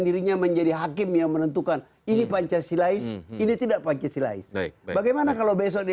dirinya menjadi hakim yang menentukan ini pancasilais ini tidak pancasilais bl rd